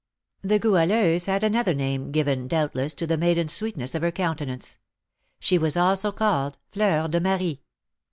The Goualeuse had another name, given, doubtless, to the maiden sweetness of her countenance, she was also called Fleur de Marie.